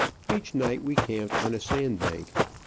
Each night we camped on a sand bank.